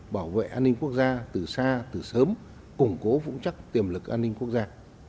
bảo vệ an ninh quốc gia từ xa từ sớm củng cố vững chắc tiềm lực an ninh quốc gia